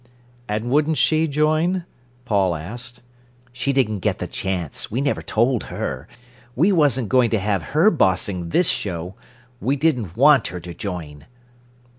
"And wouldn't she join?" Paul asked. "She didn't get the chance; we never told her; we wasn't going to have her bossing this show. We didn't want her to join."